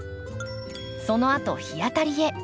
そのあと日当たりへ。